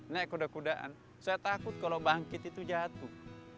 naik kuda kudaan saya takut kalau bangkit itu jatuh